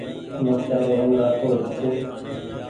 مرچآ رو رنگ رآتو ڇي۔